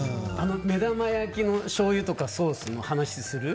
目玉焼きのしょうゆとかソースの話する？